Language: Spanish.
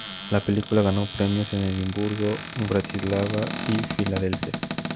La película ganó premios en Edimburgo, Bratislava y Filadelfia.